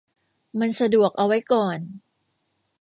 มันสะดวกเอาไว้ก่อน